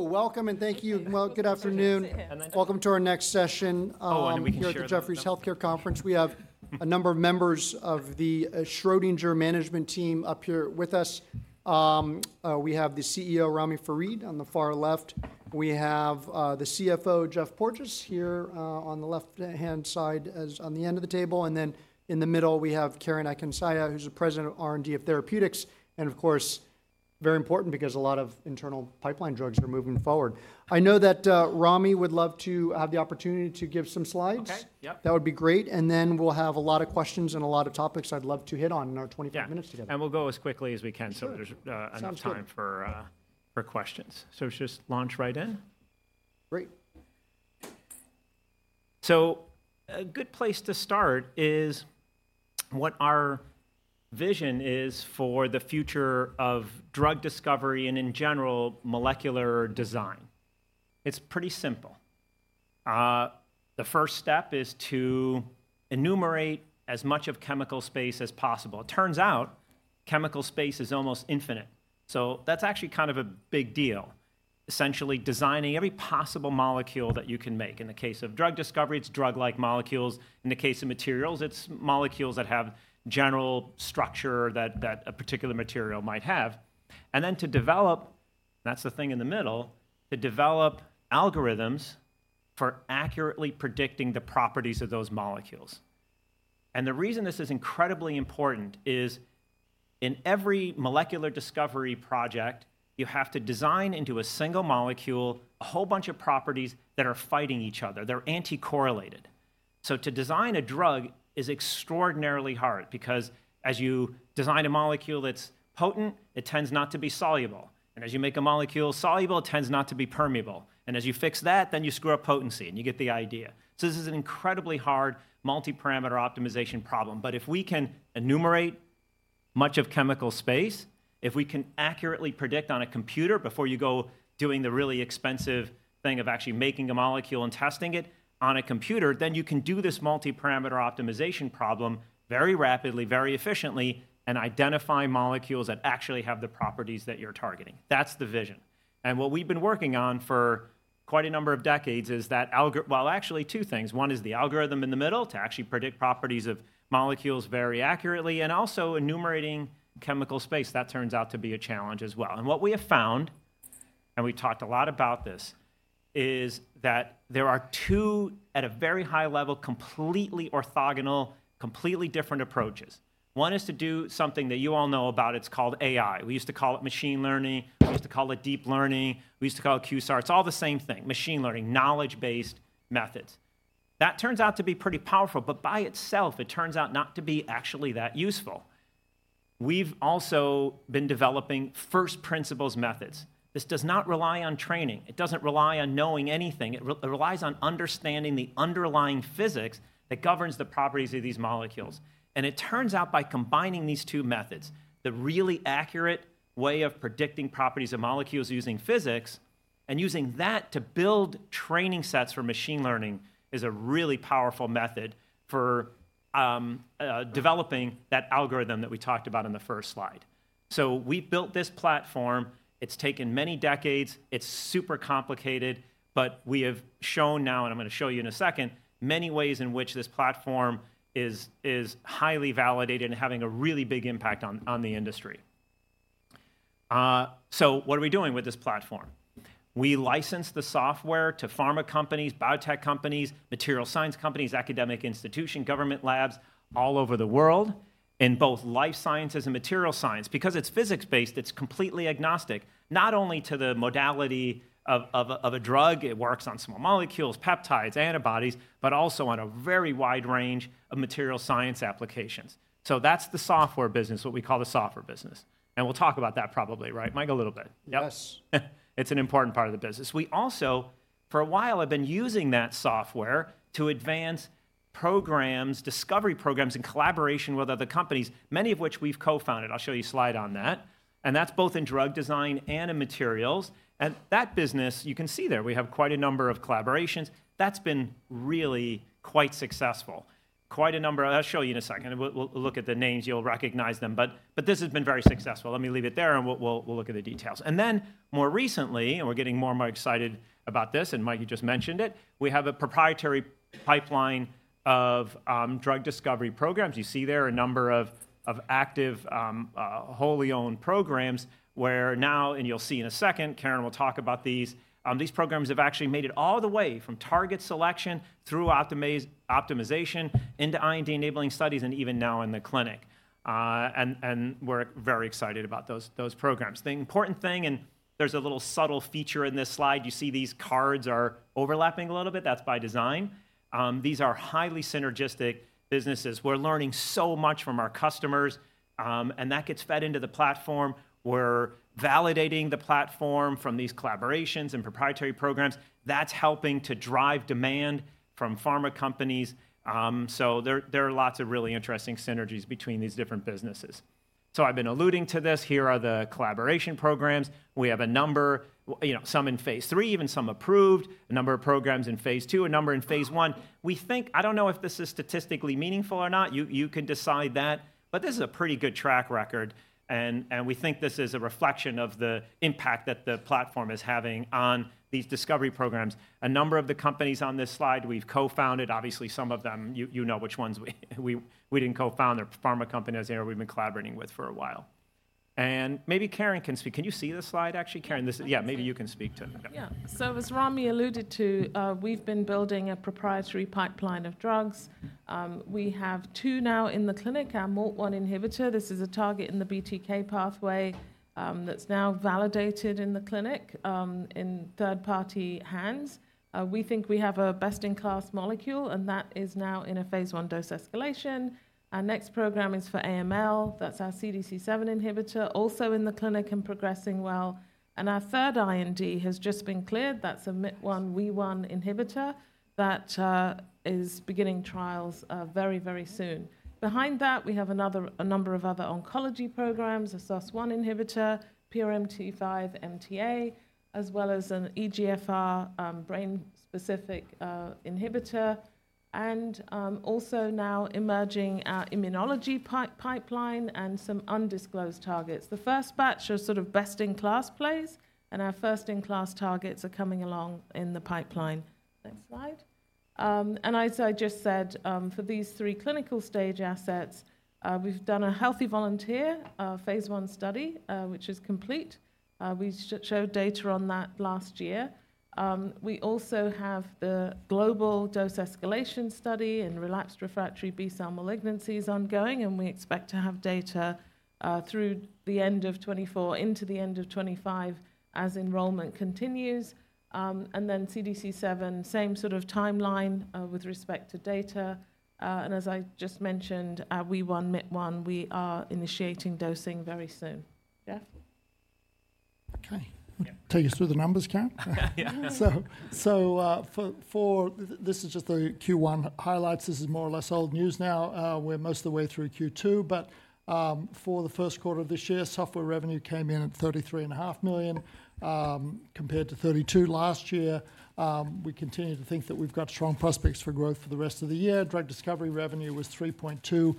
Hello, welcome, and thank you. Well, good afternoon. Welcome to our next session. Oh, and we can share- Here at the Jefferies Healthcare Conference. We have a number of members of the Schrödinger management team up here with us. We have the CEO, Ramy Farid, on the far left. We have the CFO, Geoff Porges, here on the left-hand side, as on the end of the table, and then in the middle, we have Karen Akinsanya, who's the president of R&D, Therapeutics, and of course, very important because a lot of internal pipeline drugs are moving forward. I know that Ramy would love to have the opportunity to give some slides. Okay. Yep. That would be great, and then we'll have a lot of questions and a lot of topics I'd love to hit on in our 24 minutes together. Yeah, and we'll go as quickly as we can- Sure... so there's enough time- Sounds good for questions. So just launch right in? Great. A good place to start is what our vision is for the future of drug discovery, and in general, molecular design. It's pretty simple. The first step is to enumerate as much of chemical space as possible. It turns out, chemical space is almost infinite. So that's actually kind of a big deal, essentially designing every possible molecule that you can make. In the case of drug discovery, it's drug-like molecules. In the case of materials, it's molecules that have general structure that a particular material might have. And then to develop, that's the thing in the middle, to develop algorithms for accurately predicting the properties of those molecules. And the reason this is incredibly important is, in every molecular discovery project, you have to design into a single molecule, a whole bunch of properties that are fighting each other. They're anti-correlated. So to design a drug is extraordinarily hard because as you design a molecule that's potent, it tends not to be soluble, and as you make a molecule soluble, it tends not to be permeable, and as you fix that, then you screw up potency, and you get the idea. So this is an incredibly hard multi-parameter optimization problem. But if we can enumerate much of chemical space, if we can accurately predict on a computer before you go doing the really expensive thing of actually making a molecule and testing it on a computer, then you can do this multi-parameter optimization problem very rapidly, very efficiently, and identify molecules that actually have the properties that you're targeting. That's the vision. And what we've been working on for quite a number of decades is that well, actually, two things. One is the algorithm in the middle to actually predict properties of molecules very accurately, and also enumerating chemical space. That turns out to be a challenge as well. And what we have found, and we talked a lot about this, is that there are two, at a very high level, completely orthogonal, completely different approaches. One is to do something that you all know about. It's called AI. We used to call it machine learning. We used to call it deep learning. We used to call it QSAR. It's all the same thing, machine learning, knowledge-based methods. That turns out to be pretty powerful, but by itself, it turns out not to be actually that useful. We've also been developing first principles methods. This does not rely on training. It doesn't rely on knowing anything. It relies on understanding the underlying physics that governs the properties of these molecules. It turns out by combining these two methods, the really accurate way of predicting properties of molecules using physics and using that to build training sets for machine learning, is a really powerful method for developing that algorithm that we talked about in the first slide. We built this platform. It's taken many decades. It's super complicated, but we have shown now, and I'm gonna show you in a second, many ways in which this platform is highly validated and having a really big impact on the industry. What are we doing with this platform? We license the software to pharma companies, biotech companies, material science companies, academic institution, government labs all over the world in both life sciences and material science. Because it's physics-based, it's completely agnostic, not only to the modality of a drug, it works on small molecules, peptides, antibodies, but also on a very wide range of material science applications. So that's the software business, what we call the software business, and we'll talk about that probably, right, Mike, a little bit? Yes. It's an important part of the business. We also, for a while, have been using that software to advance programs, discovery programs in collaboration with other companies, many of which we've co-founded. I'll show you a slide on that, and that's both in drug design and in materials. And that business, you can see there, we have quite a number of collaborations. That's been really quite successful. Quite a number... I'll show you in a second. We'll look at the names, you'll recognize them, but this has been very successful. Let me leave it there, and we'll look at the details. And then more recently, and we're getting more and more excited about this, and Mike, you just mentioned it, we have a proprietary pipeline of drug discovery programs. You see there a number of active, wholly owned programs, where now, and you'll see in a second, Karen will talk about these; these programs have actually made it all the way from target selection through optimization into IND-enabling studies and even now in the clinic. And we're very excited about those programs. The important thing, and there's a little subtle feature in this slide, you see these cards are overlapping a little bit. That's by design. These are highly synergistic businesses. We're learning so much from our customers, and that gets fed into the platform. We're validating the platform from these collaborations and proprietary programs. That's helping to drive demand from pharma companies, so there are lots of really interesting synergies between these different businesses. So I've been alluding to this. Here are the collaboration programs. We have a number, you know, some in Phase 3, even some approved, a number of programs in Phase 2, a number in Phase 1. We think... I don't know if this is statistically meaningful or not. You can decide that, but this is a pretty good track record. ...And we think this is a reflection of the impact that the platform is having on these discovery programs. A number of the companies on this slide, we've co-founded. Obviously, some of them, you know which ones we didn't co-found. They're pharma companies there we've been collaborating with for a while. And maybe Karen can speak. Can you see this slide, actually? Karen, this is. Yeah, maybe you can speak to it. Yeah. So as Ramy alluded to, we've been building a proprietary pipeline of drugs. We have two now in the clinic, our MALT1 inhibitor. This is a target in the BTK pathway, that's now validated in the clinic, in third-party hands. We think we have a best-in-class molecule, and that is now in a Phase I dose escalation. Our next program is for AML. That's our CDC7 inhibitor, also in the clinic and progressing well. And our third IND has just been cleared. That's a Myt1/Wee1 inhibitor that is beginning trials very, very soon. Behind that, we have a number of other oncology programs, a SOS1 inhibitor, PRMT5-MTA, as well as an EGFR brain-specific inhibitor, and also now emerging our immunology pipeline and some undisclosed targets. The first batch are sort of best-in-class plays, and our first-in-class targets are coming along in the pipeline. Next slide. As I just said, for these three clinical stage assets, we've done a healthy volunteer Phase I study, which is complete. We showed data on that last year. We also have the global dose escalation study in relapsed refractory B-cell malignancies ongoing, and we expect to have data through the end of 2024 into the end of 2025 as enrollment continues. Then CDC7, same sort of timeline with respect to data. As I just mentioned, our Wee1/Myt1, we are initiating dosing very soon. Geoff? Okay. Take us through the numbers, Karen? Yeah. This is just the Q1 highlights. This is more or less old news now. We're most of the way through Q2, but for the first quarter of this year, software revenue came in at $33.5 million, compared to $32 million last year. We continue to think that we've got strong prospects for growth for the rest of the year. Drug discovery revenue was $3.2 million.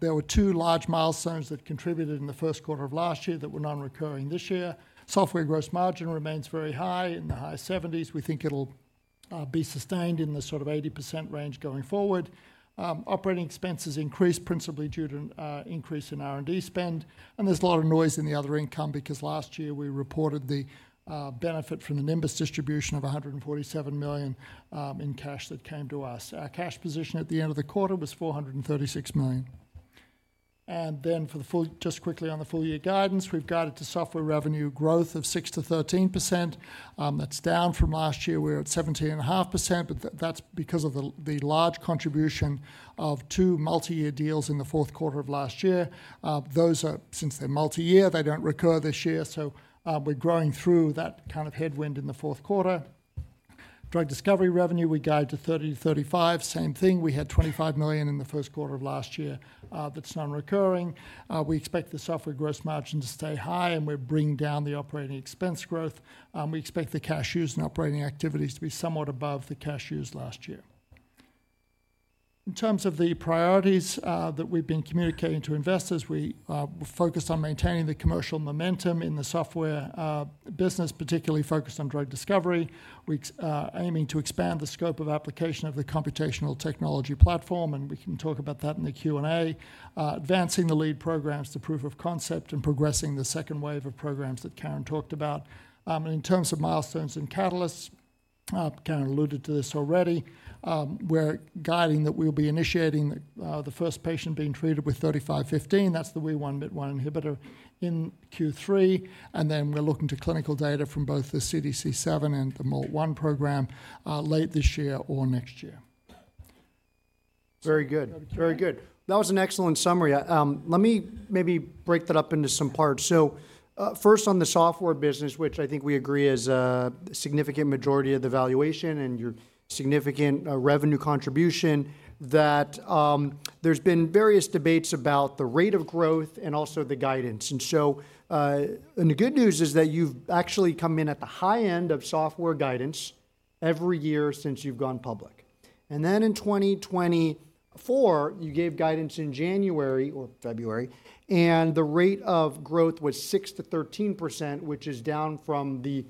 There were two large milestones that contributed in the first quarter of last year that were non-recurring this year. Software gross margin remains very high, in the high 70s%. We think it'll be sustained in the sort of 80% range going forward. Operating expenses increased principally due to an increase in R&D spend, and there's a lot of noise in the other income because last year we reported the benefit from the Nimbus distribution of $147 million in cash that came to us. Our cash position at the end of the quarter was $436 million. Just quickly on the full-year guidance, we've guided to software revenue growth of 6%-13%. That's down from last year, we were at 17.5%, but that's because of the large contribution of two multi-year deals in the fourth quarter of last year. Those are, since they're multi-year, they don't recur this year, so we're growing through that kind of headwind in the fourth quarter. Drug discovery revenue, we guide to $30 million-$35 million. Same thing, we had $25 million in the first quarter of last year. That's non-recurring. We expect the software gross margin to stay high, and we're bringing down the operating expense growth. We expect the cash use in operating activities to be somewhat above the cash use last year. In terms of the priorities that we've been communicating to investors, we are focused on maintaining the commercial momentum in the software business, particularly focused on drug discovery. We're aiming to expand the scope of application of the computational technology platform, and we can talk about that in the Q&A. Advancing the lead programs to proof of concept and progressing the second wave of programs that Karen talked about. And in terms of milestones and catalysts, Karen alluded to this already, we're guiding that we'll be initiating the first patient being treated with 3515, that's the Wee1/Myt1 inhibitor, in Q3, and then we're looking to clinical data from both the CDC7 and the MALT1 program late this year or next year. Very good. Okay. Very good. That was an excellent summary. Let me maybe break that up into some parts. So, first on the software business, which I think we agree is a significant majority of the valuation and your significant revenue contribution, that there's been various debates about the rate of growth and also the guidance. And so, and the good news is that you've actually come in at the high end of software guidance every year since you've gone public. And then in 2024, you gave guidance in January or February, and the rate of growth was 6%-13%, which is down from the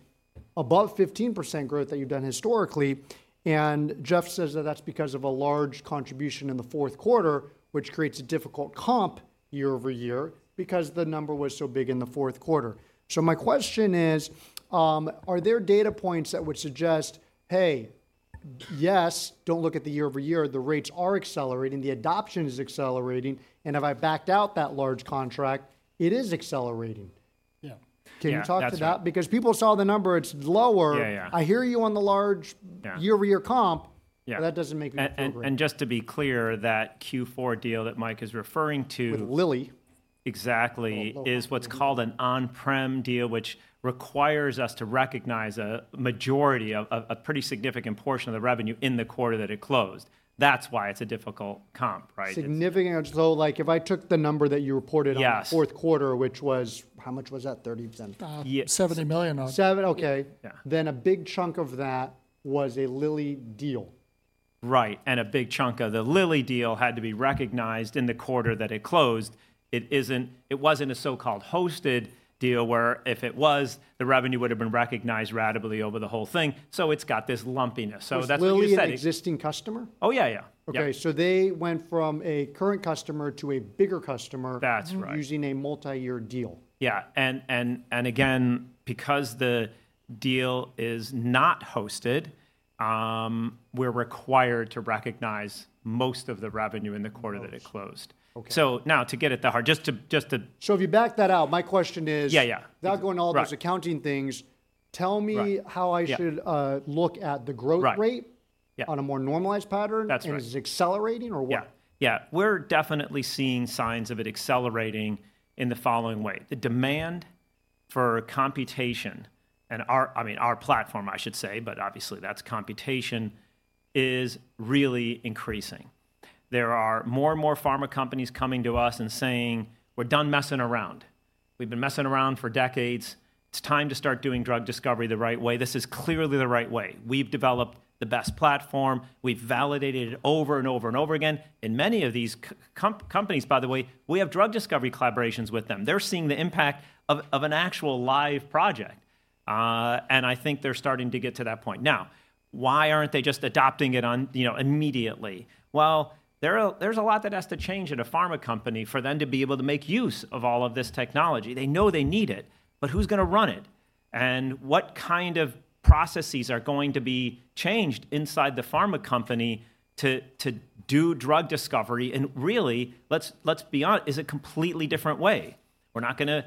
above 15% growth that you've done historically. And Jeff says that that's because of a large contribution in the fourth quarter, which creates a difficult comp year-over-year because the number was so big in the fourth quarter. So my question is, are there data points that would suggest, hey, yes, don't look at the year-over-year, the rates are accelerating, the adoption is accelerating, and if I backed out that large contract, it is accelerating? Yeah. Can you talk to that? Yeah, that's right. Because people saw the number, it's lower. Yeah, yeah. I hear you on the large- Yeah... year-over-year comp- Yeah But that doesn't make me feel great. Just to be clear, that Q4 deal that Mike is referring to- With Lilly. Exactly- Lilly... is what's called an on-prem deal, which requires us to recognize a majority of a pretty significant portion of the revenue in the quarter that it closed. That's why it's a difficult comp, right? Significant, so like if I took the number that you reported- Yes... on the fourth quarter, which was, how much was that? 30%. $70 million. Seven? Okay. Yeah. A big chunk of that was a Lilly deal?... Right, and a big chunk of the Lilly deal had to be recognized in the quarter that it closed. It isn't, it wasn't a so-called hosted deal, where if it was, the revenue would've been recognized ratably over the whole thing, so it's got this lumpiness. So that's- Was Lilly an existing customer? Oh, yeah, yeah. Yeah. Okay, so they went from a current customer to a bigger customer- That's right... using a multi-year deal? Yeah, and again, because the deal is not hosted, we're required to recognize most of the revenue in the quarter that it closed. Okay. So now, to get at the hard... Just to— So if you back that out, my question is- Yeah, yeah... not going into all those accounting things- Right... tell me- Right... how I should look at the growth rate- Right. Yeah... on a more normalized pattern? That's right. Is it accelerating, or what? Yeah, yeah. We're definitely seeing signs of it accelerating in the following way: the demand for computation and our, I mean, our platform, I should say, but obviously, that's computation, is really increasing. There are more and more pharma companies coming to us and saying, "We're done messing around. We've been messing around for decades. It's time to start doing drug discovery the right way." This is clearly the right way. We've developed the best platform. We've validated it over and over and over again. In many of these companies, by the way, we have drug discovery collaborations with them. They're seeing the impact of an actual live project. And I think they're starting to get to that point. Now, why aren't they just adopting it on, you know, immediately? Well, there's a lot that has to change at a pharma company for them to be able to make use of all of this technology. They know they need it, but who's gonna run it? And what kind of processes are going to be changed inside the pharma company to do drug discovery, and really, let's be honest, it's a completely different way. We're not gonna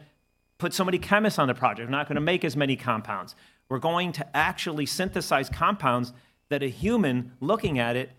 put so many chemists on the project. We're not gonna make as many compounds. We're going to actually synthesize compounds that a human looking at it,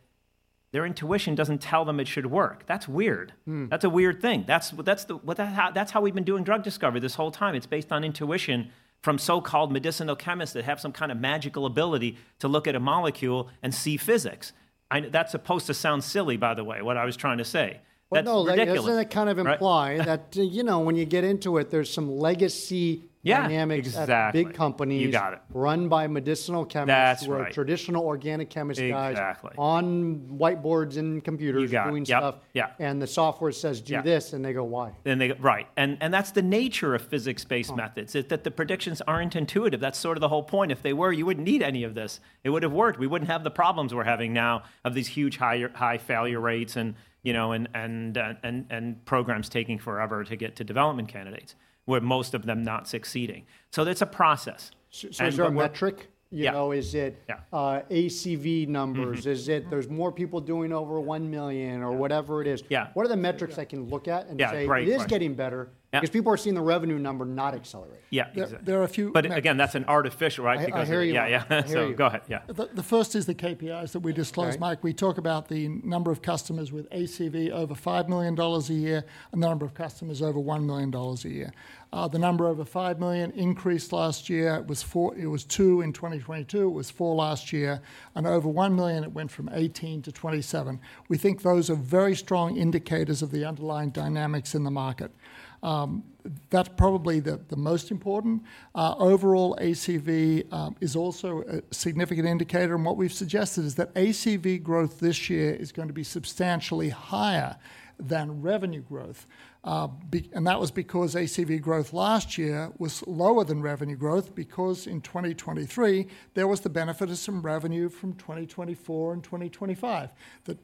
their intuition doesn't tell them it should work. That's weird. Mm. That's a weird thing. That's how we've been doing drug discovery this whole time. It's based on intuition from so-called medicinal chemists that have some kind of magical ability to look at a molecule and see physics. And that's supposed to sound silly, by the way, what I was trying to say. Well, no- That's ridiculous... doesn't it kind of imply- Right... that, you know, when you get into it, there's some legacy- Yeah... dynamics- Exactly... at the big companies- You got it.... run by medicinal chemists- That's right... who are traditional organic chemist guys- Exactly... on whiteboards and computers- You got it. Yep... doing stuff. Yeah. The software says, "Do this"- Yeah... and they go, "Why? Then they go. Right, and, and that's the nature of physics-based methods. Uh... is that the predictions aren't intuitive. That's sort of the whole point. If they were, you wouldn't need any of this. It would've worked. We wouldn't have the problems we're having now of these huge, higher, high failure rates and, you know, programs taking forever to get to development candidates, with most of them not succeeding. So it's a process. And, but- So, is there a metric? Yeah. You know, is it- Yeah... ACV numbers? Mm-hmm, mm-hmm. Is it there's more people doing over 1 million, or whatever it is? Yeah. What are the metrics I can look at and say- Yeah, right, right.... "It is getting better"? Yeah. 'Cause people are seeing the revenue number not accelerate. Yeah, exact- There are a few metrics. But again, that's an artificial, right, because- I hear you. Yeah, yeah. I hear you. So go ahead, yeah. The first is the KPIs that we disclosed. Okay. Mike, we talk about the number of customers with ACV over $5 million a year and the number of customers over $1 million a year. The number over $5 million increased last year. It was 2 in 2022, it was 4 last year, and over $1 million, it went from 18 to 27. We think those are very strong indicators of the underlying dynamics in the market. That's probably the most important. Overall ACV is also a significant indicator, and what we've suggested is that ACV growth this year is going to be substantially higher than revenue growth. And that was because ACV growth last year was lower than revenue growth because in 2023, there was the benefit of some revenue from 2024 and 2025 that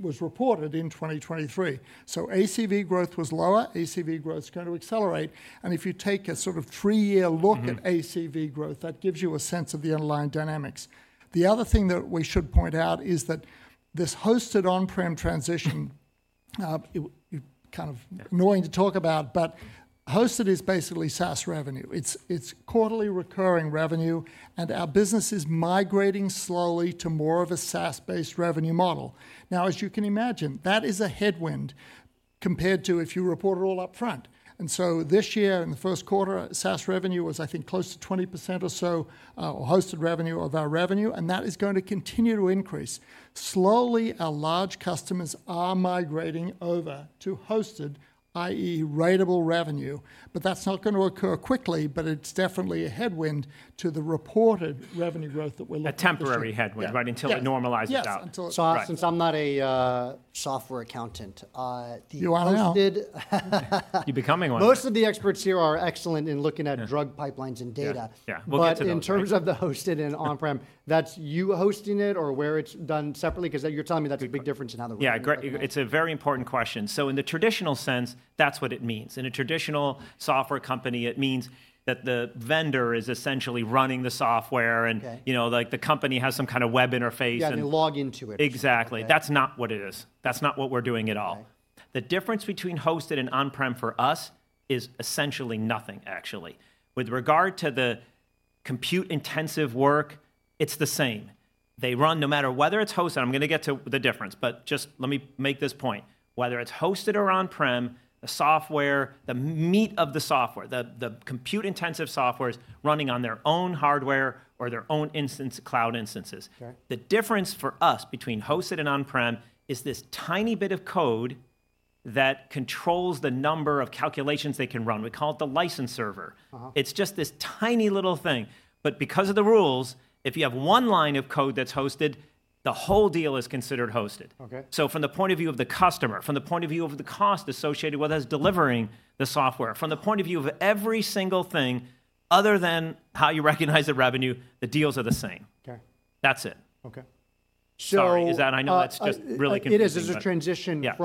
was reported in 2023. So ACV growth was lower. ACV growth's going to accelerate, and if you take a sort of three-year look- Mm-hmm... at ACV growth, that gives you a sense of the underlying dynamics. The other thing that we should point out is that this hosted on-prem transition, it kind of annoying to talk about, but hosted is basically SaaS revenue. It's, it's quarterly recurring revenue, and our business is migrating slowly to more of a SaaS-based revenue model. Now, as you can imagine, that is a headwind compared to if you report it all up front. And so this year, in the first quarter, SaaS revenue was, I think, close to 20% or so, or hosted revenue of our revenue, and that is going to continue to increase. Slowly, our large customers are migrating over to hosted, i.e., ratable revenue, but that's not gonna occur quickly, but it's definitely a headwind to the reported revenue growth that we're looking at- A temporary headwind- Yeah... right, until it normalizes out. Yes, until it- So I- Right... since I'm not a software accountant, the hosted- You are now. You're becoming one. Most of the experts here are excellent in looking at- Yeah... drug pipelines and data. Yeah, yeah. We'll get to those. But in terms of the hosted and on-prem, that's you hosting it or where it's done separately? 'Cause that, you're telling me that's a big difference in how the- Yeah, great, it's a very important question. So in the traditional sense, that's what it means. In a traditional software company, it means that the vendor is essentially running the software and- Okay... you know, like, the company has some kind of web interface, and- Yeah, and you log into it. Exactly. Yeah. That's not what it is. That's not what we're doing at all. Okay. The difference between hosted and on-prem for us is essentially nothing, actually. With regard to the compute-intensive work, it's the same. They run no matter whether it's hosted... I'm gonna get to the difference, but just let me make this point. Whether it's hosted or on-prem, the software, the meat of the software, the compute-intensive software is running on their own hardware or their own instance, cloud instances. Okay. The difference for us between hosted and on-prem is this tiny bit of code that controls the number of calculations they can run. We call it the license server. Uh-huh. It's just this tiny little thing, but because of the rules, if you have one line of code that's hosted, the whole deal is considered hosted. Okay. From the point of view of the customer, from the point of view of the cost associated with us delivering the software, from the point of view of every single thing other than how you recognize the revenue, the deals are the same. Okay. That's it. Okay. Sorry, is that? I know that's just really confusing, but- It is. It's a transition- Yeah, yeah...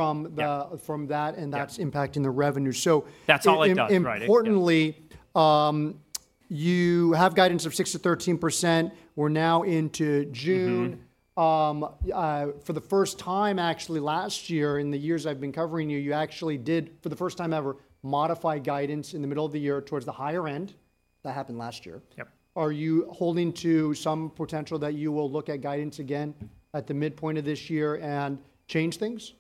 from that- Yeah and that's impacting the revenue. So- That's all it does, right? Importantly, you have guidance of 6%-13%. We're now into June. Mm-hmm. For the first time, actually, last year, in the years I've been covering you, you actually did, for the first time ever, modify guidance in the middle of the year towards the higher end. That happened last year. Yep. Are you holding to some potential that you will look at guidance again at the midpoint of this year and change things?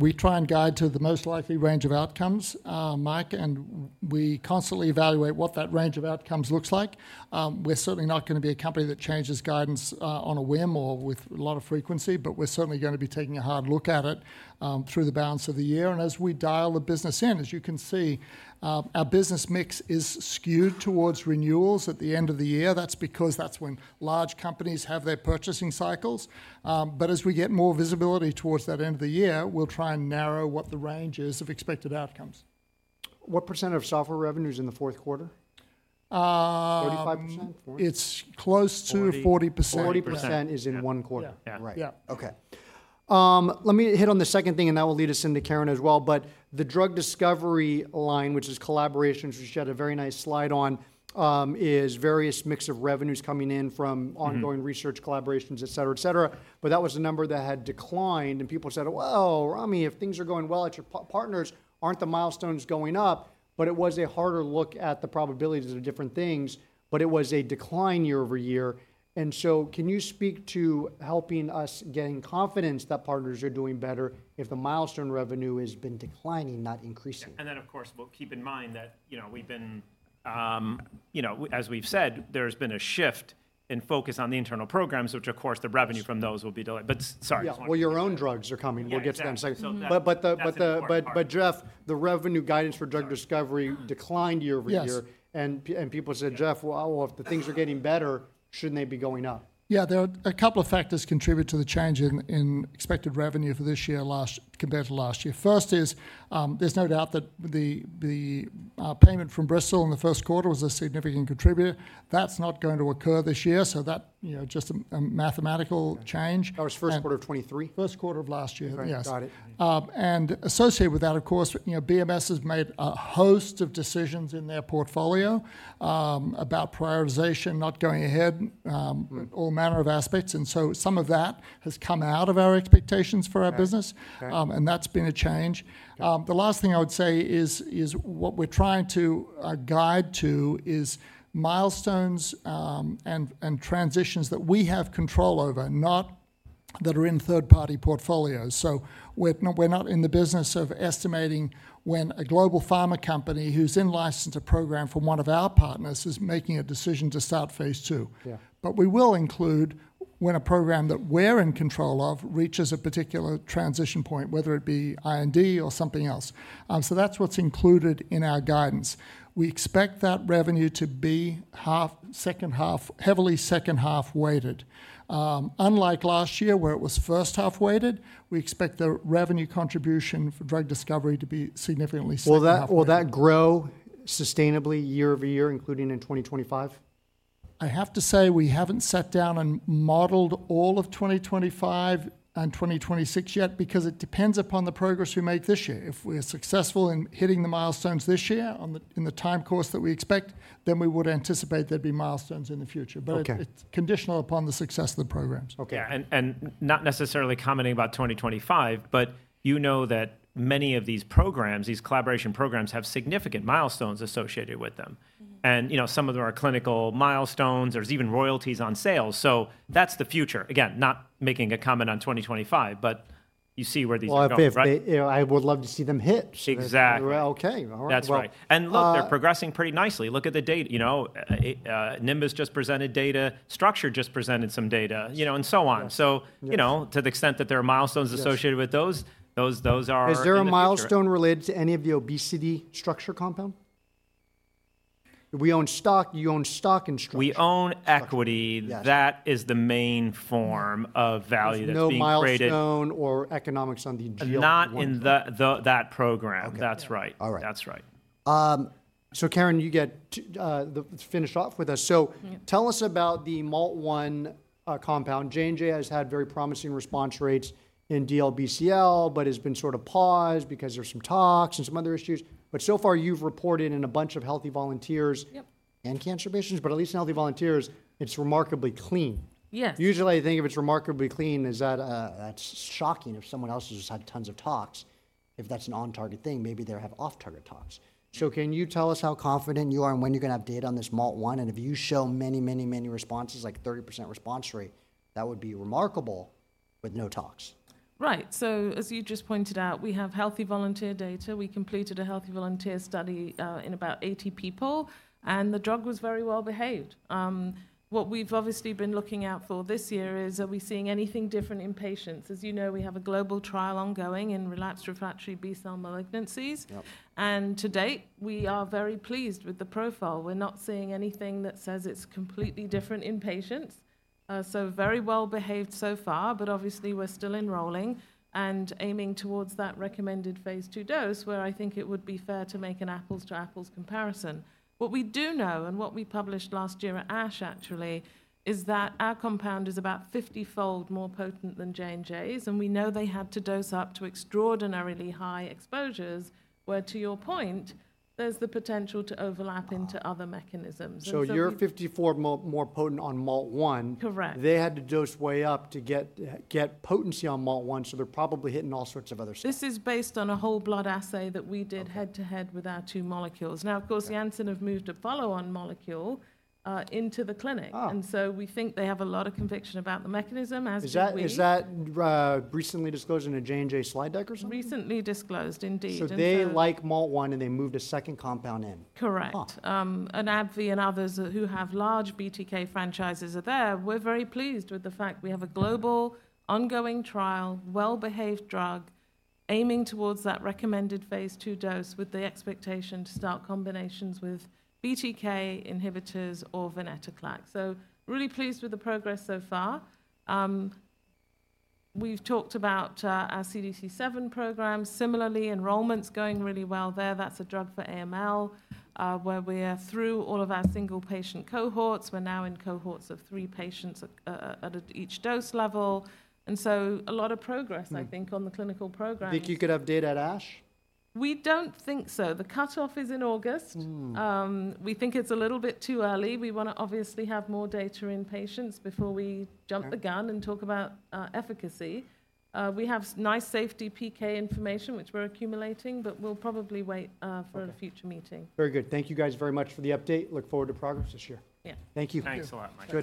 We try and guide to the most likely range of outcomes, Mike, and we constantly evaluate what that range of outcomes looks like. We're certainly not going to be a company that changes guidance on a whim or with a lot of frequency, but we're certainly going to be taking a hard look at it through the balance of the year. And as we dial the business in, as you can see, our business mix is skewed towards renewals at the end of the year. That's because that's when large companies have their purchasing cycles. But as we get more visibility towards that end of the year, we'll try and narrow what the range is of expected outcomes. What % of software revenue is in the fourth quarter? Uh- Forty-five percent? It's close to 40%. 40, 40%. 40% is in one quarter? Yeah. Yeah. Right. Yeah. Okay. Let me hit on the second thing, and that will lead us into Karen as well. But the drug discovery line, which is collaborations, which you had a very nice slide on, is various mix of revenues coming in from- Mm-hmm ...ongoing research collaborations, et cetera, et cetera. But that was a number that had declined, and people said, "Well, Ramy, if things are going well at your partners, aren't the milestones going up?" But it was a harder look at the probabilities of different things, but it was a decline year-over-year. And so can you speak to helping us gain confidence that partners are doing better if the milestone revenue has been declining, not increasing? And then, of course, we'll keep in mind that, you know, we've been, you know, as we've said, there's been a shift in focus on the internal programs, which, of course, the revenue from those will be delayed. But sorry, I just wanted to- Yeah, well, your own drugs are coming. We'll get to that in a second. Yeah, exactly. So that- But the- That's an important part.... but, Jeff, the revenue guidance for drug discovery- Sorry... declined year-over-year. Yes. People said, "Jeff, well, if the things are getting better, shouldn't they be going up? Yeah, there are a couple of factors that contribute to the change in expected revenue for this year compared to last year. First is, there's no doubt that the payment from Bristol in the first quarter was a significant contributor. That's not going to occur this year, so that, you know, just a mathematical change. That was first quarter of 2023? First quarter of last year, yes. Right. Got it. Associated with that, of course, you know, BMS has made a host of decisions in their portfolio about prioritization not going ahead- Mm... all manner of aspects, and so some of that has come out of our expectations for our business. Okay. Okay. That's been a change. The last thing I would say is what we're trying to guide to is milestones and transitions that we have control over, not that are in third-party portfolios. We're not in the business of estimating when a global pharma company who's in license a program for one of our partners is making a decision to start Phase 2. Yeah. But we will include when a program that we're in control of reaches a particular transition point, whether it be IND or something else. So that's what's included in our guidance. We expect that revenue to be back half, second half, heavily second half weighted. Unlike last year, where it was first half weighted, we expect the revenue contribution for drug discovery to be significantly second half weighted. Will that grow sustainably year-over-year, including in 2025? I have to say, we haven't sat down and modeled all of 2025 and 2026 yet because it depends upon the progress we make this year. If we're successful in hitting the milestones this year on the, in the time course that we expect, then we would anticipate there'd be milestones in the future. Okay. But it's conditional upon the success of the programs. Okay. Yeah, and not necessarily commenting about 2025, but you know that many of these programs, these collaboration programs, have significant milestones associated with them. Mm-hmm. You know, some of them are clinical milestones. There's even royalties on sales, so that's the future. Again, not making a comment on 2025, but you see where these are going, right? Well, if they... I would love to see them hit. Exactly. Okay. All right. That's right. Well, uh- And look, they're progressing pretty nicely. Look at the data, you know. Nimbus just presented data, Structure just presented some data, you know, and so on. Yeah. So, you know- Yes... to the extent that there are milestones associated- Yes... with those are in the future. Is there a milestone related to any of the obesity Structure compound? We own stock. You own stock in Structure. We own equity. Yes. That is the main form- Mm... of value that's being created. There's no milestone or economics on the deal? Not in the that program. Okay. That's right. All right. That's right. So Karen, you get to finish off with us. Mm-hmm. So tell us about the MALT1 compound. J&J has had very promising response rates in DLBCL, but has been sort of paused because there's some tox and some other issues. But so far, you've reported in a bunch of healthy volunteers. Yep... and cancer patients, but at least in healthy volunteers, it's remarkably clean. Yes. Usually, I think if it's remarkably clean, that's shocking if someone else has just had tons of tox. If that's an on-target thing, maybe they have off-target tox. So can you tell us how confident you are and when you're going to have data on this MALT1? And if you show many, many, many responses, like 30% response rate, that would be remarkable... with no tox? Right. So as you just pointed out, we have healthy volunteer data. We completed a healthy volunteer study in about 80 people, and the drug was very well-behaved. What we've obviously been looking out for this year is, are we seeing anything different in patients? As you know, we have a global trial ongoing in relapsed refractory B-cell malignancies. Yep. And to date, we are very pleased with the profile. We're not seeing anything that says it's completely different in patients. So very well-behaved so far, but obviously, we're still enrolling and aiming towards that recommended Phase II dose, where I think it would be fair to make an apples-to-apples comparison. What we do know, and what we published last year at ASH, actually, is that our compound is about 50-fold more potent than J&J's, and we know they had to dose up to extraordinarily high exposures, where, to your point, there's the potential to overlap into other mechanisms. And so- So you're 54 more potent on MALT1. Correct. They had to dose way up to get potency on MALT1, so they're probably hitting all sorts of other stuff. This is based on a whole blood assay that we did- Okay... head-to-head with our two molecules. Now, of course, the- Yeah... Janssen have moved a follow-on molecule into the clinic. Oh! And so we think they have a lot of conviction about the mechanism, as do we. Is that, is that, recently disclosed in a J&J slide deck or something? Recently disclosed, indeed. And so- So they like MALT1, and they moved a second compound in? Correct. Oh. AbbVie and others who have large BTK franchises are there. We're very pleased with the fact we have a global, ongoing trial, well-behaved drug, aiming towards that recommended Phase II dose, with the expectation to start combinations with BTK inhibitors or Venetoclax. Really pleased with the progress so far. We've talked about our CDC7 program. Similarly, enrollment's going really well there. That's a drug for AML, where we are through all of our single-patient cohorts. We're now in cohorts of three patients at each dose level, and so a lot of progress. Hmm... I think, on the clinical programs. Think you could have data at ASH? We don't think so. The cutoff is in August. Hmm. We think it's a little bit too early. We wanna obviously have more data in patients before we- Okay... jump the gun and talk about efficacy. We have nice safety PK information, which we're accumulating, but we'll probably wait for- Okay... a future meeting. Very good. Thank you guys very much for the update. Look forward to progress this year. Yeah. Thank you. Thanks a lot, Mike. Good.